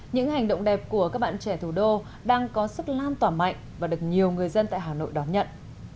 những hành động đẹp của các bạn trẻ thủ đô đang có sức lan tỏa mạnh và được nhiều người dân tại hà nội đón nhận